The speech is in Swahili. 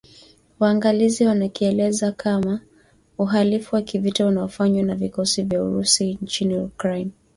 waangalizi wanakielezea kama uhalifu wa kivita unaofanywa na vikosi vya Urusi nchini Ukraine